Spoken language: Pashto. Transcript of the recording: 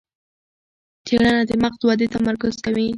څېړنه د مغز ودې تمرکز کوي.